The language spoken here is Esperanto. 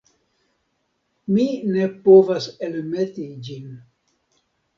Mi ne povas elmeti ĝin.